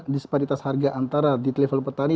disparitas harga antara di level petani